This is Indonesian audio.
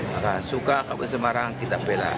maka suka kabupaten semarang kita bela